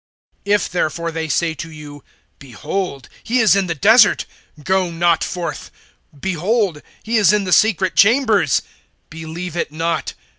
(26)If therefore they say to you: Behold, he is in the desert, go not forth; Behold, he is in the secret chambers, believe it not.